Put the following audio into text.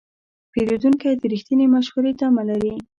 پیرودونکی د رښتینې مشورې تمه لري.